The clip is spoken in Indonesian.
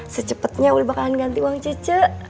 secepetnya uli bakalan ganti uang cice